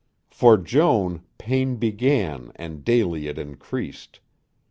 For Joan pain began and daily it increased.